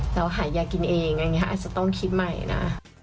แล้วหายากินเองอันนี้ค่ะอาจจะต้องคิดใหม่นะ